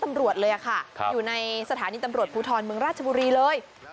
ตำรวจเลยค่ะอยู่ในสถานีตำรวจภูทรเมืองราชบุรีเลย